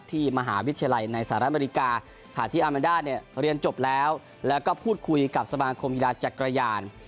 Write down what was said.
ที่มหาวิทยาลัยในสหรัฐอเมริกาขณะที่อาเมนด้าเนี่ยเรียนจบแล้วแล้วก็พูดคุยกับสมาคมกีฬาจักรยาน